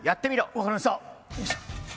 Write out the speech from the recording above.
分かりました。